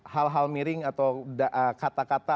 hal hal miring atau kata kata